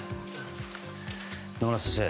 野村先生